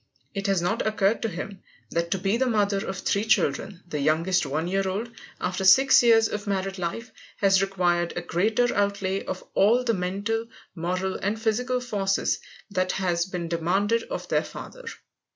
It has not occurred to him that to be the mother of three children, the youngest one year old, after six years of married life, has required a greater outlay of all the mental, moral, and physical forces than has been demanded of their father.